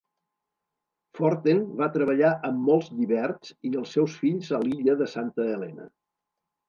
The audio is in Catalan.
Forten va treballar amb molts lliberts i els seus fills a l'illa de Santa Helena.